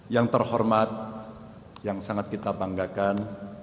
yang terhormat yang sangat kita banggakan